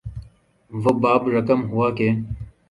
وہ باب رقم ہوا کہ